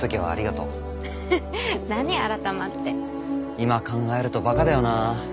今考えるとバカだよなあ。